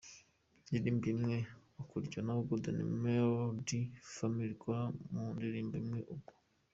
indirimbo imwe, hakurikiraho Golden Melody Family Choir mu ndirimbo imwe, ubwo.